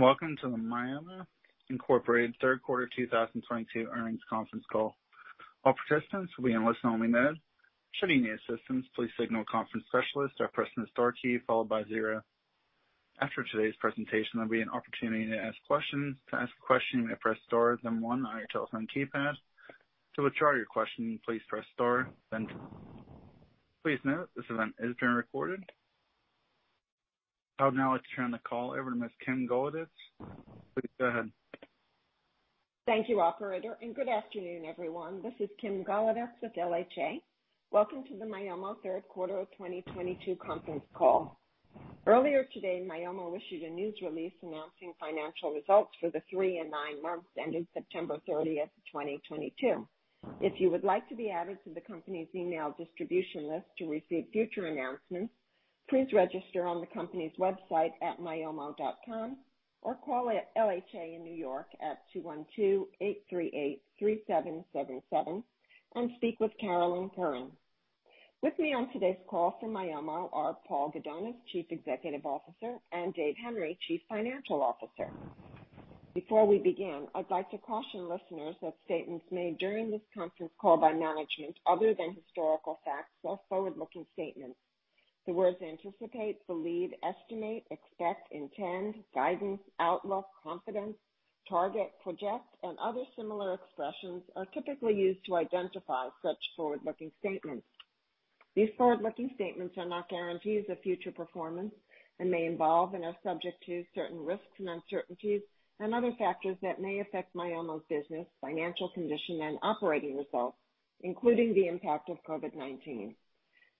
Welcome to the Myomo, Incorporated's third quarter 2022 earnings conference call. All participants will be in listen only mode. Should you need assistance, please signal conference specialist or press the star key followed by zero. After today's presentation, there'll be an opportunity to ask questions. To ask a question, press star, then one on your telephone keypad. To withdraw your question, please press star then two. Please note this event is being recorded. I would now like to turn the call over to Ms. Kim Golodetz. Please go ahead. Thank you, operator, and good afternoon, everyone. This is Kim Golodetz with LHA. Welcome to the Myomo third quarter of 2022 conference call. Earlier today, Myomo issued a news release announcing financial results for the three and nine months ending September 30th, 2022. If you would like to be added to the company's email distribution list to receive future announcements, please register on the company's website at myomo.com or call LHA in New York at 212-838-3777 and speak with Carolyn Curran. With me on today's call from Myomo are Paul Gudonis, Chief Executive Officer, and Dave Henry, Chief Financial Officer. Before we begin, I'd like to caution listeners that statements made during this conference call by management, other than historical facts or forward-looking statements. The words anticipate, believe, estimate, expect, intend, guidance, outlook, confidence, target, project, and other similar expressions are typically used to identify such forward-looking statements. These forward-looking statements are not guarantees of future performance and may involve and are subject to certain risks and uncertainties and other factors that may affect Myomo's business, financial condition, and operating results, including the impact of COVID-19.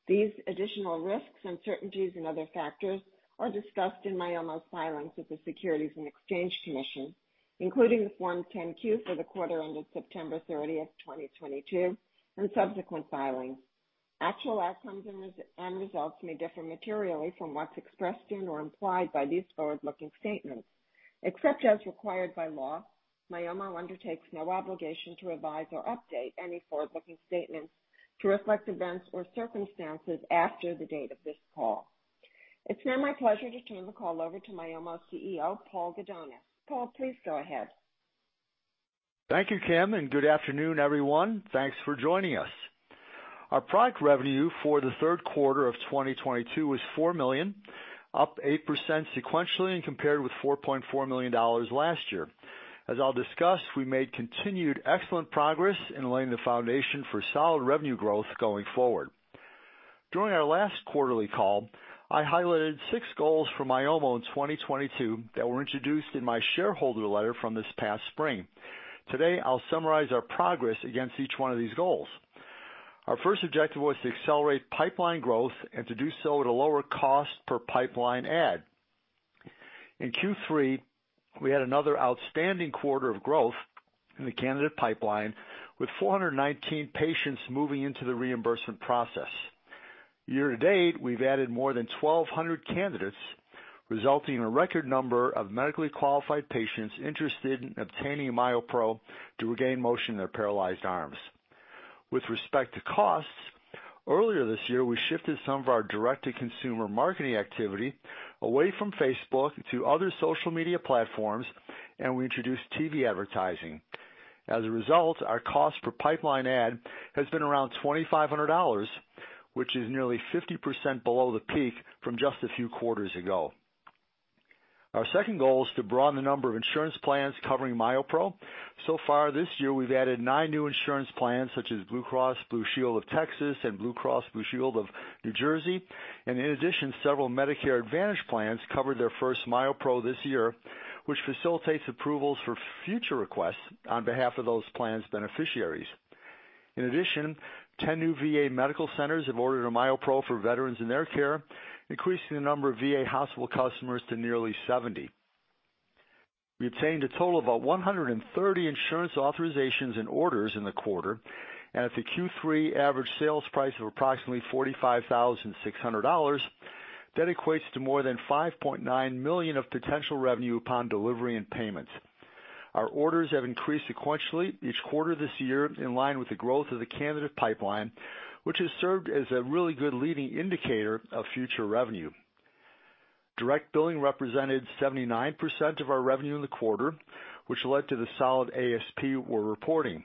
These additional risks, uncertainties and other factors are discussed in Myomo's filings with the Securities and Exchange Commission, including Form 10-Q for the quarter ended September 30th, 2022, and subsequent filings. Actual outcomes and results may differ materially from what's expressed in or implied by these forward-looking statements. Except as required by law, Myomo undertakes no obligation to revise or update any forward-looking statements to reflect events or circumstances after the date of this call. It's now my pleasure to turn the call over to Myomo's CEO, Paul Gudonis. Paul, please go ahead. Thank you, Kim, and good afternoon, everyone. Thanks for joining us. Our product revenue for the third quarter of 2022 was $4 million, up 8% sequentially compared with $4.4 million last year. As I'll discuss, we made continued excellent progress in laying the foundation for solid revenue growth going forward. During our last quarterly call, I highlighted six goals for Myomo in 2022 that were introduced in my shareholder letter from this past spring. Today, I'll summarize our progress against each one of these goals. Our first objective was to accelerate pipeline growth and to do so at a lower cost per pipeline add. In Q3, we had another outstanding quarter of growth in the candidate pipeline with 419 patients moving into the reimbursement process. Year to date, we've added more than 1,200 candidates, resulting in a record number of medically qualified patients interested in obtaining MyoPro to regain motion in their paralyzed arms. With respect to costs, earlier this year, we shifted some of our direct-to-consumer marketing activity away from Facebook to other social media platforms, and we introduced TV advertising. As a result, our cost per pipeline add has been around $2,500, which is nearly 50% below the peak from just a few quarters ago. Our second goal is to broaden the number of insurance plans covering MyoPro. So far this year, we've added 9 new insurance plans such as Blue Cross and Blue Shield of Texas and Horizon Blue Cross Blue Shield of New Jersey. In addition, several Medicare Advantage plans covered their first MyoPro this year, which facilitates approvals for future requests on behalf of those plans' beneficiaries. In addition, 10 new VA medical centers have ordered a MyoPro for veterans in their care, increasing the number of VA hospital customers to nearly 70. We obtained a total of 130 insurance authorizations and orders in the quarter, and at the Q3 average sales price of approximately $45,600, that equates to more than $5.9 million of potential revenue upon delivery and payments. Our orders have increased sequentially each quarter this year, in line with the growth of the candidate pipeline, which has served as a really good leading indicator of future revenue. Direct billing represented 79% of our revenue in the quarter, which led to the solid ASP we're reporting.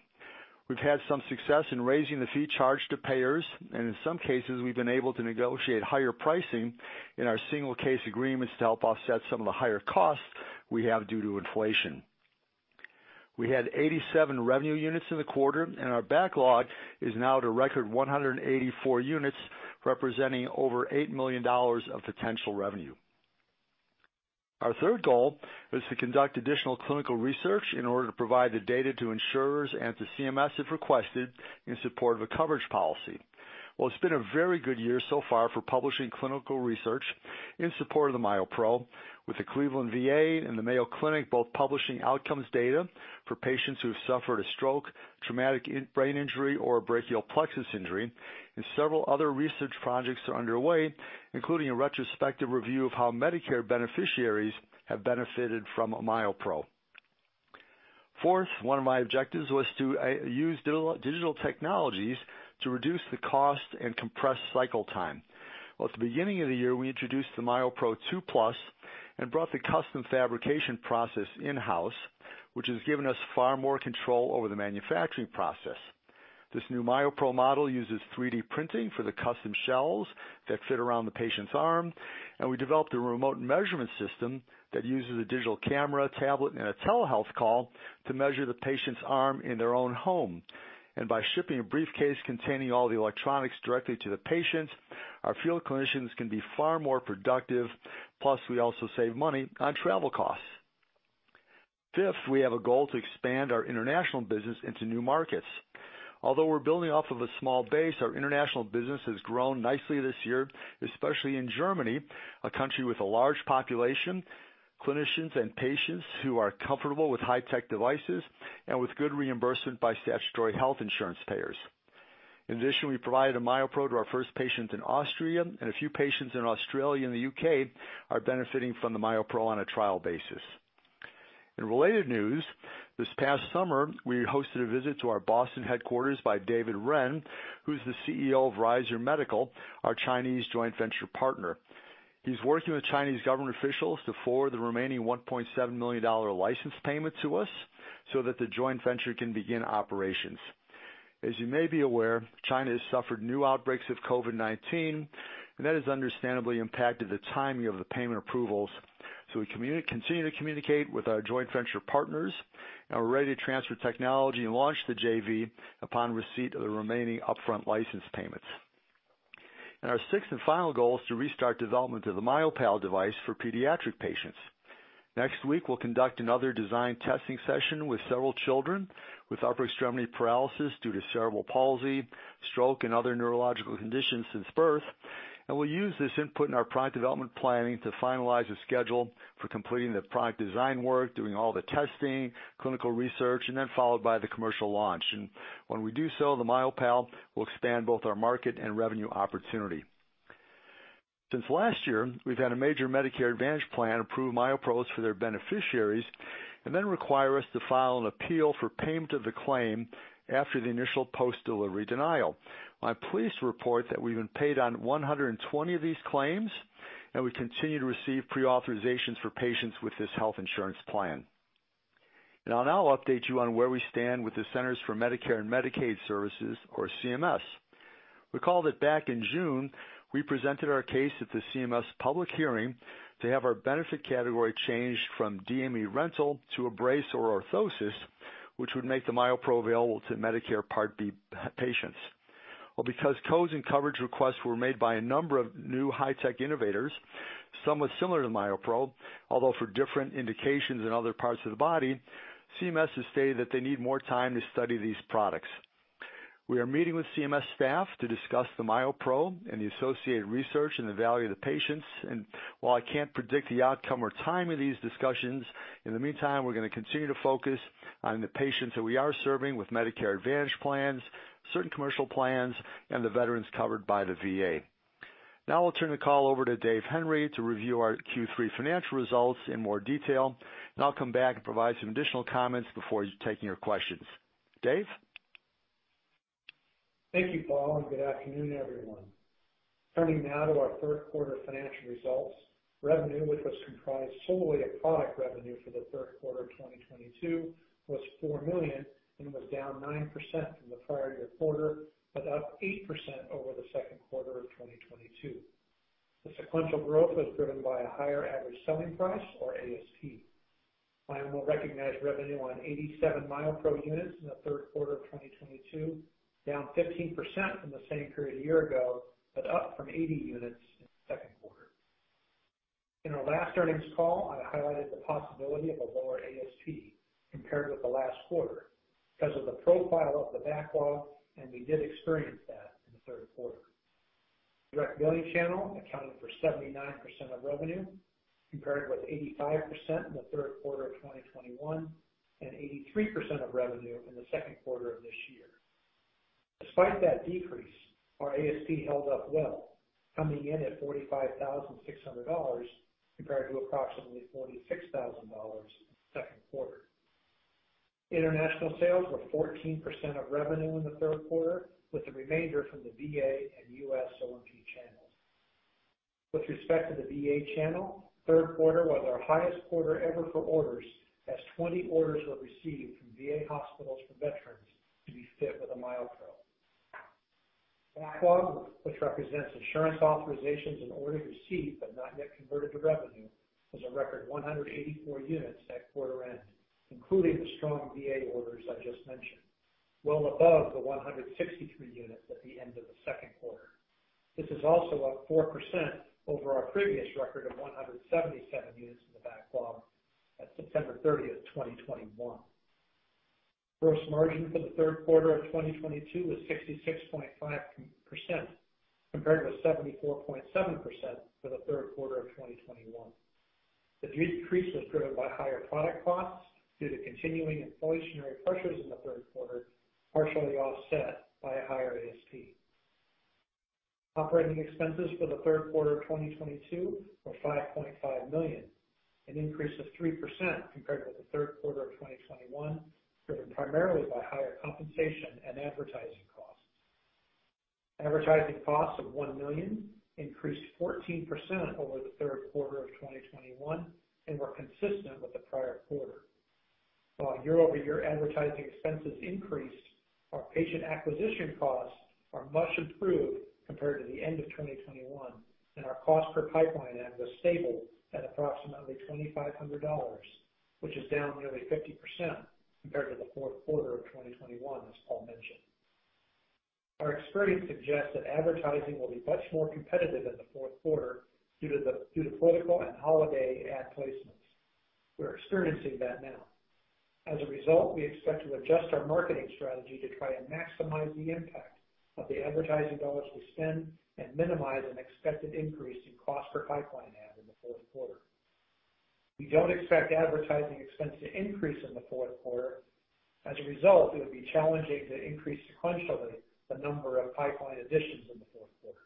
We've had some success in raising the fee charged to payers, and in some cases, we've been able to negotiate higher pricing in our single case agreements to help offset some of the higher costs we have due to inflation. We had 87 revenue units in the quarter and our backlog is now at a record 184 units, representing over $8 million of potential revenue. Our third goal is to conduct additional clinical research in order to provide the data to insurers and to CMS if requested in support of a coverage policy. Well, it's been a very good year so far for publishing clinical research in support of the MyoPro with the Cleveland VA and the Mayo Clinic both publishing outcomes data for patients who have suffered a stroke, traumatic brain injury, or a brachial plexus injury. Several other research projects are underway, including a retrospective review of how Medicare beneficiaries have benefited from MyoPro. Fourth, one of my objectives was to use digital technologies to reduce the cost and compress cycle time. Well, at the beginning of the year, we introduced the MyoPro 2+ and brought the custom fabrication process in-house, which has given us far more control over the manufacturing process. This new MyoPro model uses 3D printing for the custom shells that fit around the patient's arm, and we developed a remote measurement system that uses a digital camera tablet and a telehealth call to measure the patient's arm in their own home. By shipping a briefcase containing all the electronics directly to the patients, our field clinicians can be far more productive. Plus, we also save money on travel costs. Fifth, we have a goal to expand our international business into new markets. Although we're building off of a small base, our international business has grown nicely this year, especially in Germany, a country with a large population, clinicians and patients who are comfortable with high-tech devices and with good reimbursement by statutory health insurance payers. In addition, we provided a MyoPro to our first patient in Austria, and a few patients in Australia and the U.K. are benefiting from the MyoPro on a trial basis. In related news, this past summer, we hosted a visit to our Boston headquarters by David Ren, who's the CEO of Ryzur Medical, our Chinese joint venture partner. He's working with Chinese government officials to forward the remaining $1.7 million license payment to us so that the joint venture can begin operations. As you may be aware, China has suffered new outbreaks of COVID-19, and that has understandably impacted the timing of the payment approvals. We continue to communicate with our joint venture partners, and we're ready to transfer technology and launch the JV upon receipt of the remaining upfront license payments. Our sixth and final goal is to restart development of the MyoPal device for pediatric patients. Next week, we'll conduct another design testing session with several children with upper extremity paralysis due to cerebral palsy, stroke, and other neurological conditions since birth. We'll use this input in our product development planning to finalize a schedule for completing the product design work, doing all the testing, clinical research, and then followed by the commercial launch. When we do so, the MyoPal will expand both our market and revenue opportunity. Since last year, we've had a major Medicare Advantage plan approve MyoPros for their beneficiaries and then require us to file an appeal for payment of the claim after the initial post-delivery denial. I'm pleased to report that we've been paid on 120 of these claims, and we continue to receive pre-authorizations for patients with this health insurance plan. I'll now update you on where we stand with the Centers for Medicare and Medicaid Services, or CMS. Recall that back in June, we presented our case at the CMS public hearing to have our benefit category changed from DME rental to a brace or orthosis, which would make the MyoPro available to Medicare Part B patients. Well, because codes and coverage requests were made by a number of new high-tech innovators, some were similar to MyoPro, although for different indications in other parts of the body, CMS has stated that they need more time to study these products. We are meeting with CMS staff to discuss the MyoPro and the associated research and the value to the patients. While I can't predict the outcome or timing of these discussions, in the meantime, we're gonna continue to focus on the patients that we are serving with Medicare Advantage plans, certain commercial plans, and the veterans covered by the VA. Now I'll turn the call over to Dave Henry to review our Q3 financial results in more detail, and I'll come back and provide some additional comments before taking your questions. Dave? Thank you, Paul, and good afternoon, everyone. Turning now to our third quarter financial results. Revenue, which was comprised solely of product revenue for the third quarter of 2022, was $4 million and was down 9% from the prior year quarter, but up 8% over the second quarter of 2022. The sequential growth was driven by a higher average selling price or ASP. Myomo recognized revenue on 87 MyoPro units in the third quarter of 2022, down 15% from the same period a year ago, but up from 80 units in the second quarter. In our last earnings call, I highlighted the possibility of a lower ASP compared with the last quarter because of the profile of the backlog, and we did experience that in the third quarter. Direct billing channel accounted for 79% of revenue, compared with 85% in the third quarter of 2021 and 83% of revenue in the second quarter of this year. Despite that decrease, our ASP held up well, coming in at $45,600, compared to approximately $46,000 in the second quarter. International sales were 14% of revenue in the third quarter, with the remainder from the VA and U.S. O&P channels. With respect to the VA channel, third quarter was our highest quarter ever for orders, as 20 orders were received from VA hospitals for veterans to be fit with a MyoPro. Backlog, which represents insurance authorizations and orders received but not yet converted to revenue, was a record 184 units at quarter end, including the strong VA orders I just mentioned, well above the 163 units at the end of the second quarter. This is also up 4% over our previous record of 177 units in the backlog at September 30th, 2021. Gross margin for the third quarter of 2022 was 66.5%, compared with 74.7% for the third quarter of 2021. The decrease was driven by higher product costs due to continuing inflationary pressures in the third quarter, partially offset by a higher ASP. Operating expenses for the third quarter of 2022 were $5.5 million, an increase of 3% compared with the third quarter of 2021, driven primarily by higher compensation and advertising costs. Advertising costs of $1 million increased 14% over the third quarter of 2021 and were consistent with the prior quarter. While year-over-year advertising expenses increased, our patient acquisition costs are much improved compared to the end of 2021, and our cost per pipeline ad was stable at approximately $2,500, which is down nearly 50% compared to the fourth quarter of 2021, as Paul mentioned. Our experience suggests that advertising will be much more competitive in the fourth quarter due to political and holiday ad placements. We're experiencing that now. As a result, we expect to adjust our marketing strategy to try and maximize the impact of the advertising dollars we spend and minimize an expected increase in cost per pipeline ad in the fourth quarter. We don't expect advertising expense to increase in the fourth quarter. As a result, it would be challenging to increase sequentially the number of pipeline additions in the fourth quarter.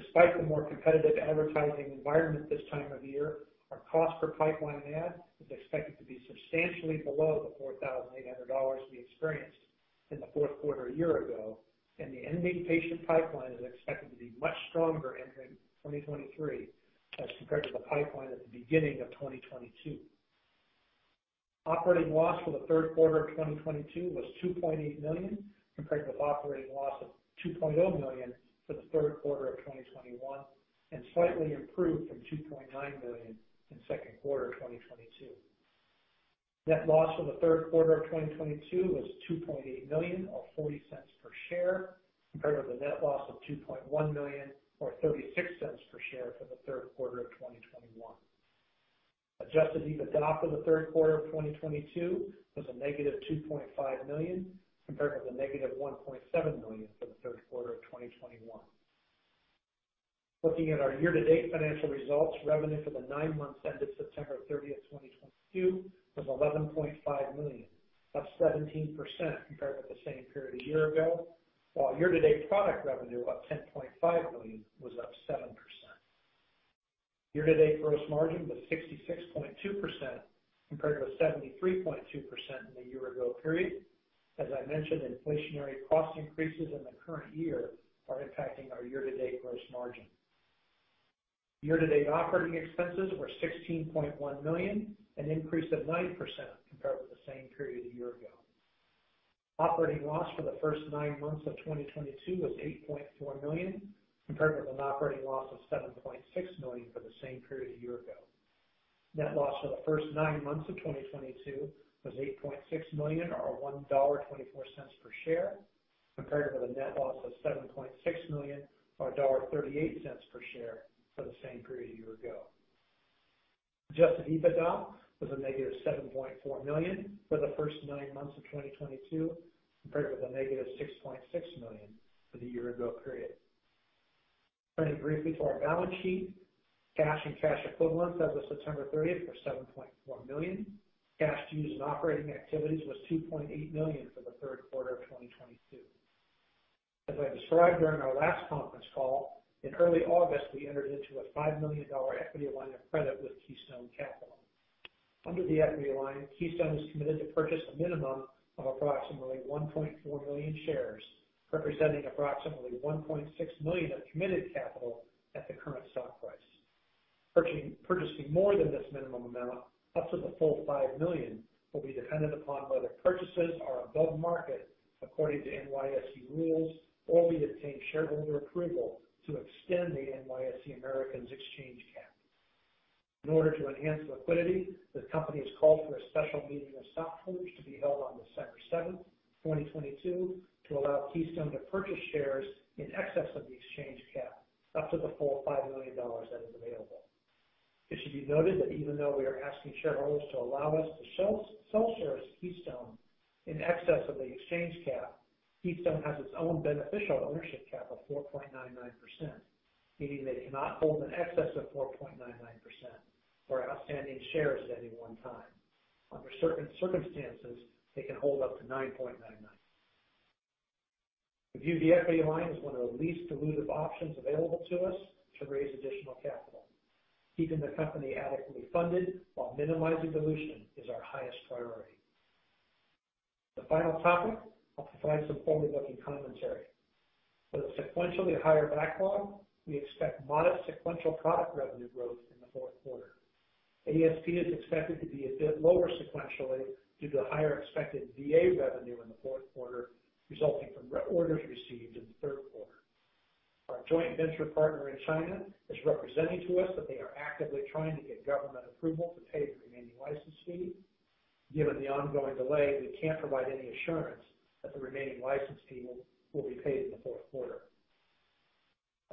Despite the more competitive advertising environment this time of year, our cost per pipeline ad is expected to be substantially below the $4,800 we experienced in the fourth quarter a year ago, and the ending patient pipeline is expected to be much stronger entering 2023 as compared to the pipeline at the beginning of 2022. Operating loss for the third quarter of 2022 was $2.8 million, compared with operating loss of $2.0 million for the third quarter of 2021, and slightly improved from $2.9 million in second quarter of 2022. Net loss for the third quarter of 2022 was $2.8 million, or $0.40 per share, compared with a net loss of $2.1 million or $0.36 per share for the third quarter of 2021. Adjusted EBITDA for the third quarter of 2022 was -$2.5 million compared with -$1.7 million for the third quarter of 2021. Looking at our year-to-date financial results, revenue for the nine months ended September 30th, 2022 was $11.5 million, up 17% compared with the same period a year ago. While year-to-date product revenue, up $10.5 million, was up 7%. Year-to-date gross margin was 66.2% compared with 73.2% in the year ago period. As I mentioned, inflationary cost increases in the current year are impacting our year-to-date gross margin. Year-to-date operating expenses were $16.1 million, an increase of 9% compared with the same period a year ago. Operating loss for the first nine months of 2022 was $8.4 million, compared with an operating loss of $7.6 million for the same period a year ago. Net loss for the first nine months of 2022 was $8.6 million, or $1.24 per share, compared with a net loss of $7.6 million or $1.38 per share for the same period a year ago. Adjusted EBITDA was -$7.4 million for the first nine months of 2022, compared with -$6.6 million for the year ago period. Turning briefly to our balance sheet. Cash and cash equivalents as of September 30th were $7.1 million. Cash used in operating activities was $2.8 million for the third quarter of 2022. As I described during our last conference call, in early August, we entered into a $5 million equity line of credit with Keystone Capital. Under the equity line, Keystone has committed to purchase a minimum of approximately 1.4 million shares, representing approximately $1.6 million of committed capital at the current stock price. Purchasing more than this minimum amount, up to the full $5 million, will be dependent upon whether purchases are above market according to NYSE rules or we obtain shareholder approval to extend the NYSE American exchange cap. In order to enhance liquidity, the company has called for a special meeting of stockholders to be held on December 7th, 2022, to allow Keystone to purchase shares in excess of the exchange cap, up to the full $5 million that is available. It should be noted that even though we are asking shareholders to allow us to sell shares to Keystone in excess of the exchange cap, Keystone has its own beneficial ownership cap of 4.99%, meaning they cannot hold in excess of 4.99% of outstanding shares at any one time. Under certain circumstances, they can hold up to 9.99%. We view the equity line as one of the least dilutive options available to us to raise additional capital. Keeping the company adequately funded while minimizing dilution is our highest priority. The final topic. I'll provide some forward-looking commentary. With a sequentially higher backlog, we expect modest sequential product revenue growth in the fourth quarter. ASP is expected to be a bit lower sequentially due to higher expected VA revenue in the fourth quarter resulting from the orders received in the third quarter. Our joint venture partner in China is representing to us that they are actively trying to get government approval to pay the remaining license fee. Given the ongoing delay, we can't provide any assurance that the remaining license fee will be paid in the fourth quarter.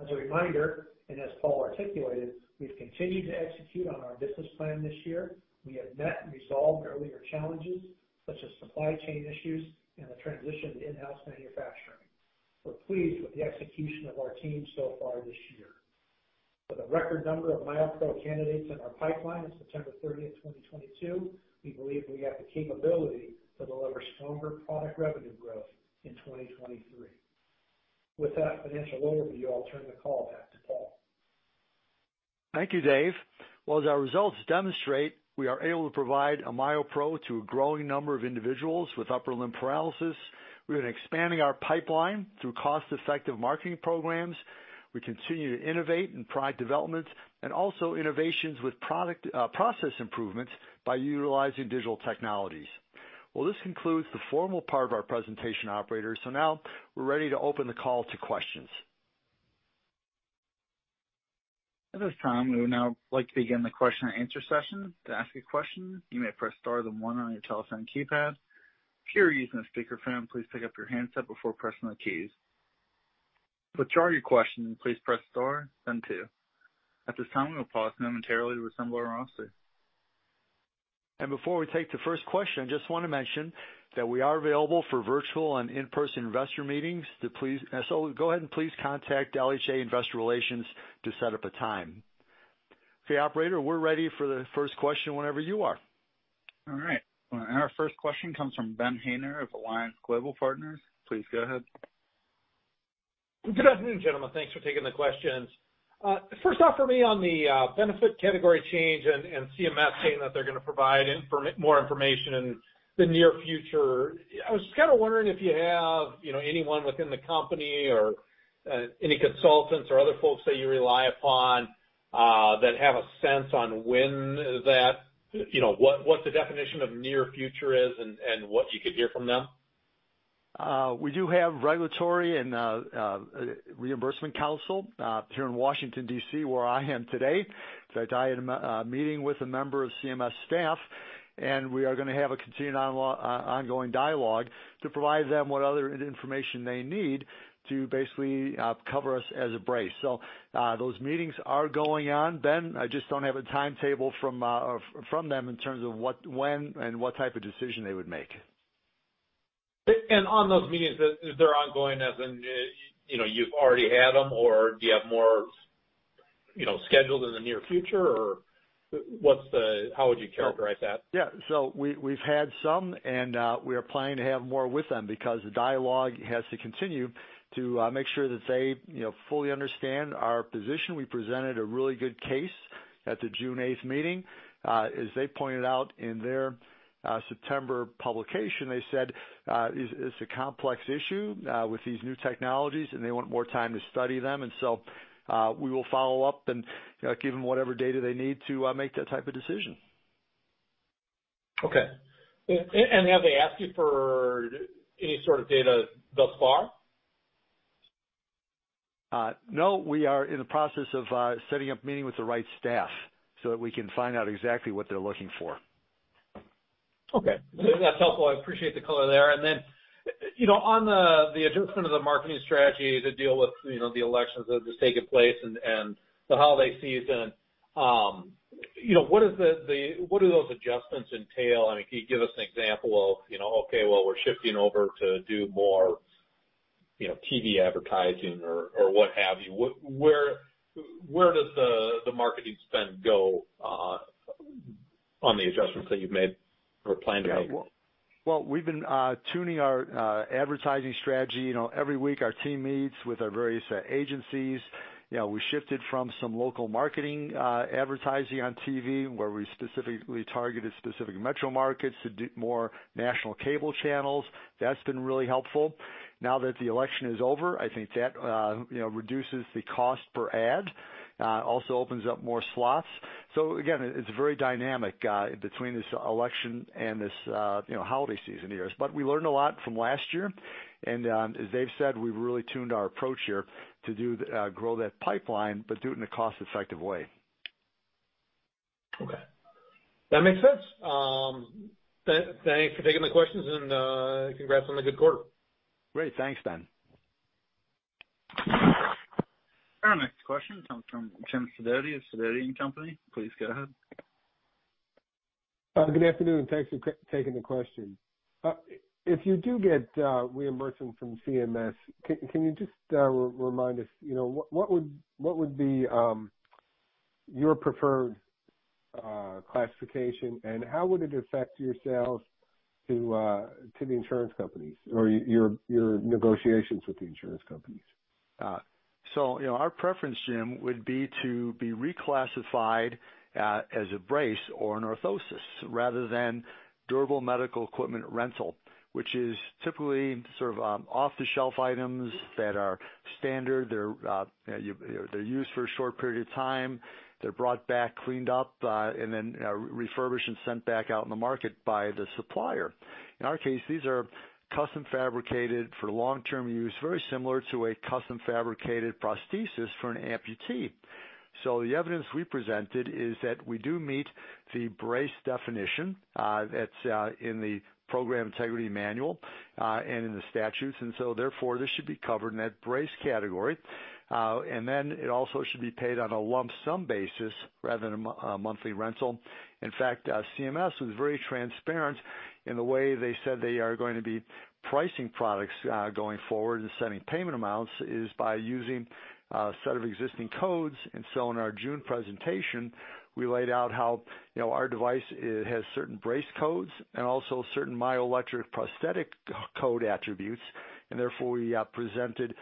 As a reminder, and as Paul articulated, we've continued to execute on our business plan this year. We have met and resolved earlier challenges such as supply chain issues and the transition to in-house manufacturing. We're pleased with the execution of our team so far this year. With a record number of MyoPro candidates in our pipeline as of September thirtieth, 2022, we believe we have the capability to deliver stronger product revenue growth in 2023. With that financial overview, I'll turn the call back to Paul. Thank you, Dave. Well, as our results demonstrate, we are able to provide a MyoPro to a growing number of individuals with upper limb paralysis. We've been expanding our pipeline through cost-effective marketing programs. We continue to innovate in product developments and also innovations with product, process improvements by utilizing digital technologies. Well, this concludes the formal part of our presentation, operators. Now we're ready to open the call to questions. At this time, we would now like to begin the question and answer session. To ask a question, you may press star then one on your telephone keypad. If you are using a speakerphone, please pick up your handset before pressing the keys. To withdraw your question, please press star then two. At this time, we'll pause momentarily to assemble our roster. Before we take the first question, I just wanna mention that we are available for virtual and in-person investor meetings. So go ahead and please contact LHA Investor Relations to set up a time. Okay, operator, we're ready for the first question whenever you are. All right. Our first question comes from Ben Haynor of Alliance Global Partners. Please go ahead. Good afternoon, gentlemen. Thanks for taking the questions. First off for me on the benefit category change and CMS saying that they're gonna provide more information in the near future. I was just kinda wondering if you have, you know, anyone within the company or any consultants or other folks that you rely upon that have a sense on when that, you know, what the definition of near future is and what you could hear from them. We do have regulatory and reimbursement counsel here in Washington, D.C., where I am today. I had a meeting with a member of CMS staff, and we are gonna have a continued ongoing dialogue to provide them what other information they need to basically cover us as a brace. Those meetings are going on, Ben. I just don't have a timetable from them in terms of what, when and what type of decision they would make. On those meetings, is they're ongoing as in, you know, you've already had them or do you have more, you know, scheduled in the near future or what's the? How would you characterize that? Yeah. We've had some, and we are planning to have more with them because the dialogue has to continue to make sure that they, you know, fully understand our position. We presented a really good case at the June 8th meeting. As they pointed out in their September publication, they said, "It's a complex issue with these new technologies," and they want more time to study them. We will follow up and, you know, give them whatever data they need to make that type of decision. Okay. Have they asked you for any sort of data thus far? No. We are in the process of setting up meeting with the right staff so that we can find out exactly what they're looking for. Okay. That's helpful. I appreciate the color there. Then, you know, on the adjustment of the marketing strategy to deal with, you know, the elections that have just taken place and the holiday season, you know, what do those adjustments entail? I mean, can you give us an example of, you know, okay, well, we're shifting over to do more, you know, TV advertising or what have you. Where does the marketing spend go on the adjustments that you've made or plan to make? Yeah. Well, we've been tuning our advertising strategy. You know, every week our team meets with our various agencies. You know, we shifted from some local marketing advertising on TV where we specifically targeted specific metro markets to more national cable channels. That's been really helpful. Now that the election is over, I think that you know, reduces the cost per ad. Also opens up more slots. Again, it's very dynamic between this election and this you know, holiday season years. We learned a lot from last year and, as Dave said, we've really tuned our approach here to grow that pipeline, but do it in a cost-effective way. Okay. That makes sense. Thanks for taking the questions and, congrats on the good quarter. Great. Thanks, Ben. Our next question comes from Jim Sidoti of Sidoti and Company. Please go ahead. Good afternoon, and thanks for taking the question. If you do get reimbursement from CMS, can you just remind us, you know, what would be your preferred classification, and how would it affect your sales to the insurance companies or your negotiations with the insurance companies? Our preference, Jim, would be to be reclassified as a brace or an orthosis rather than durable medical equipment rental, which is typically sort of off-the-shelf items that are standard. They're, you know, they're used for a short period of time. They're brought back, cleaned up, and then refurbished and sent back out in the market by the supplier. In our case, these are custom fabricated for long-term use, very similar to a custom fabricated prosthesis for an amputee. The evidence we presented is that we do meet the brace definition that's in the Program Integrity Manual and in the statutes, and so therefore, this should be covered in that brace category. It also should be paid on a lump sum basis rather than a monthly rental. In fact, CMS was very transparent in the way they said they are going to be pricing products going forward and setting payment amounts is by using a set of existing codes. In our June presentation, we laid out how, you know, our device has certain brace codes and also certain myoelectric prosthetic code attributes, and therefore we presented,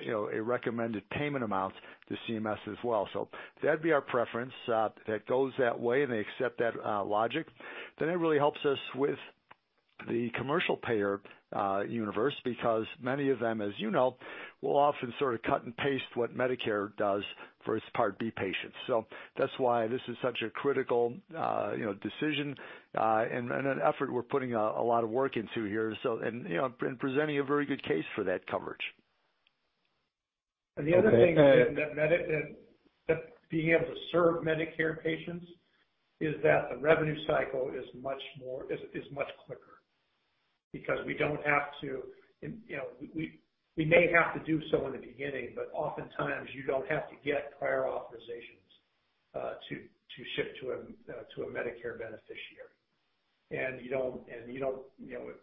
you know, a recommended payment amount to CMS as well. That'd be our preference. If it goes that way and they accept that logic, then it really helps us with the commercial payer universe because many of them, as you know, will often sort of cut and paste what Medicare does for its Part B patients. That's why this is such a critical, you know, decision, and an effort we're putting a lot of work into here. You know, been presenting a very good case for that coverage. The other thing that being able to serve Medicare patients is that the revenue cycle is much quicker because we don't have to. You know, we may have to do so in the beginning, but oftentimes you don't have to get prior authorizations to ship to a Medicare beneficiary. You don't, you know,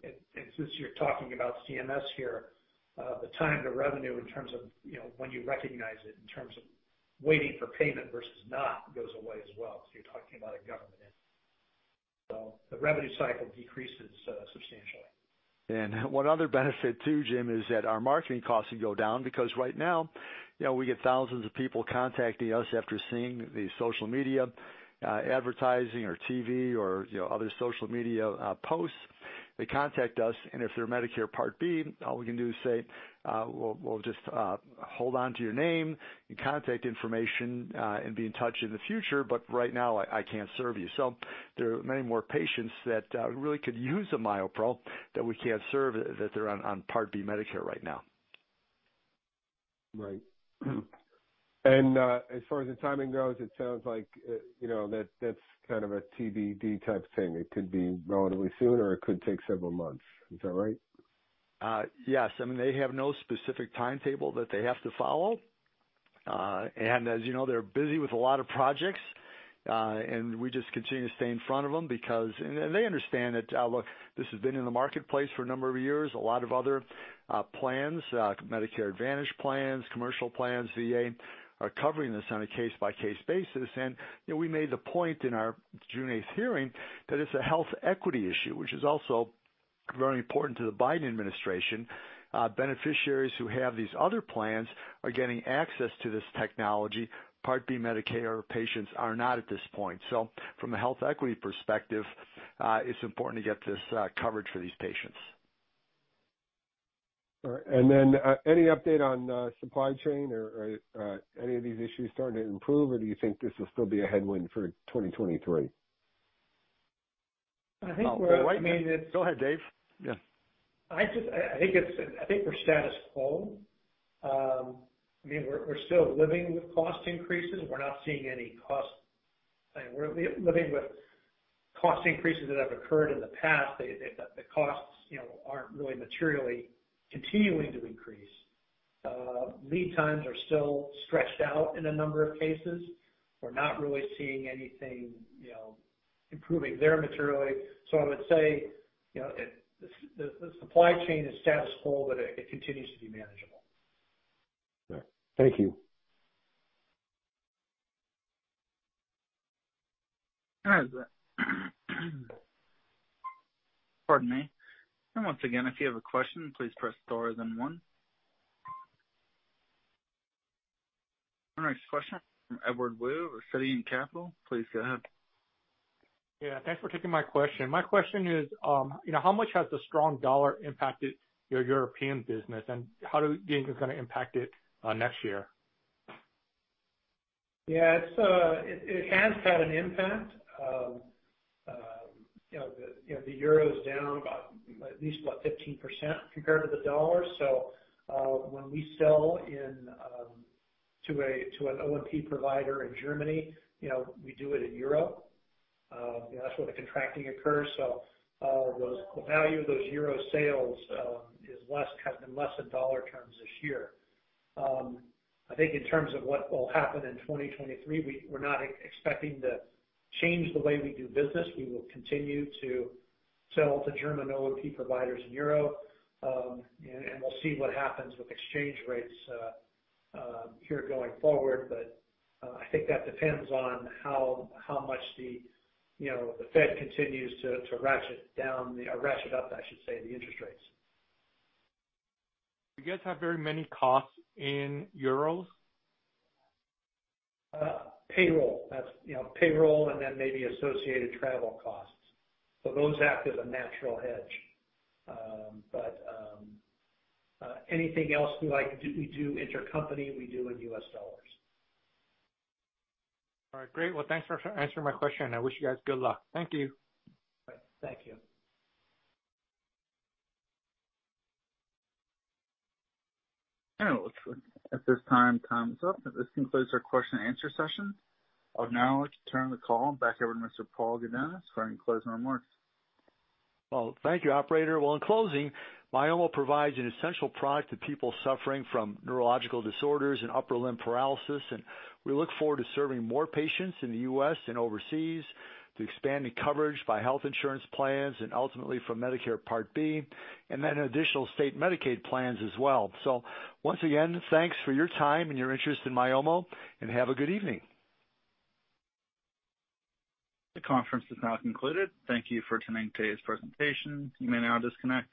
since you're talking about CMS here, the time to revenue in terms of, you know, when you recognize it, in terms of waiting for payment versus not goes away as well, 'cause you're talking about a government entity. The revenue cycle decreases substantially. One other benefit too, Jim, is that our marketing costs will go down because right now, you know, we get thousands of people contacting us after seeing the social media advertising or TV or, you know, other social media posts. They contact us, and if they're Medicare Part B, all we can do is say, "We'll just hold on to your name and contact information and be in touch in the future, but right now I can't serve you." There are many more patients that really could use the MyoPro that we can't serve that are on Medicare Part B right now. Right. As far as the timing goes, it sounds like, you know, that that's kind of a TBD type thing. It could be relatively soon or it could take several months. Is that right? Yes. I mean, they have no specific timetable that they have to follow. As you know, they're busy with a lot of projects. We just continue to stay in front of them because they understand that look, this has been in the marketplace for a number of years. A lot of other plans, Medicare Advantage plans, commercial plans, VA, are covering this on a case-by-case basis. You know, we made the point in our June 8th hearing that it's a health equity issue, which is also very important to the Biden administration. Beneficiaries who have these other plans are getting access to this technology. Medicare Part B patients are not at this point. From a health equity perspective, it's important to get this coverage for these patients. All right. Any update on supply chain or any of these issues starting to improve or do you think this will still be a headwind for 2023? I think we're Go ahead, Dave. Yeah. I think we're status quo. I mean, we're still living with cost increases. We're living with cost increases that have occurred in the past. The costs, you know, aren't really materially continuing to increase. Lead times are still stretched out in a number of cases. We're not really seeing anything, you know, improving there materially. I would say, you know, the supply chain is status quo, but it continues to be manageable. All right. Thank you. Pardon me. Once again, if you have a question, please press star then one. Our next question from Edward Woo of Ascendiant Capital. Please go ahead. Yeah, thanks for taking my question. My question is, you know, how much has the strong dollar impacted your European business and how do you think it's gonna impact it, next year? Yeah, it's had an impact. You know, the euro's down about at least what, 15% compared to the dollar. When we sell to an O&P provider in Germany, you know, we do it in euro. You know, that's where the contracting occurs. The value of those euro sales is less, has been less in dollar terms this year. I think in terms of what will happen in 2023, we're not expecting to change the way we do business. We will continue to sell to German O&P providers in euro, and we'll see what happens with exchange rates here going forward. I think that depends on how much you know, the Fed continues to ratchet down the – ratchet up, I should say, the interest rates. Do you guys have very many costs in euros? Payroll. That's, you know, payroll and then maybe associated travel costs. Those act as a natural hedge. Anything else we like to do intercompany, we do in U.S. dollars. All right, great. Well, thanks for answering my question. I wish you guys good luck. Thank you. Thank you. It looks like at this time's up. This concludes our question and answer session. I would now like to turn the call back over to Mr. Paul Gudonis for any closing remarks. Well, thank you, operator. Well, in closing, Myomo provides an essential product to people suffering from neurological disorders and upper limb paralysis, and we look forward to serving more patients in the U.S. and overseas to expand the coverage by health insurance plans and ultimately from Medicare Part B, and then additional state Medicaid plans as well. Once again, thanks for your time and your interest in Myomo, and have a good evening. The conference is now concluded. Thank you for attending today's presentation. You may now disconnect.